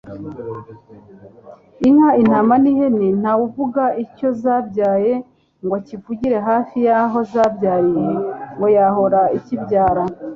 Inka, intama n’ihene ,ntawe uvuga icyozabyaye ngo akivugire hafi y’aho zabyariye, ngo yahora ikibyara